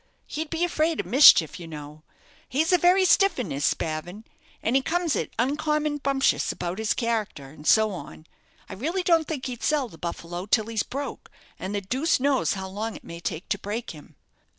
He'd be afraid of mischief, you know. He's a very stiff 'un, is Spavin, and he comes it uncommon bumptious about his character, and so on. I really don't think he'd sell the 'Buffalo' till he's broke, and the deuce knows how long it may take to break him."